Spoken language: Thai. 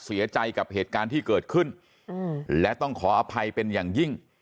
เสียใจกับเหตุการณ์ที่เกิดขึ้นและต้องขออภัยเป็นอย่างยิ่ง